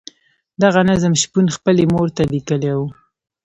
دغه نظم شپون خپلې مور ته لیکلی وو.